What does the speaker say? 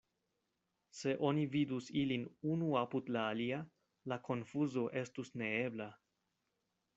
Se oni vidus ilin unu apud la alia, la konfuzo estus neebla.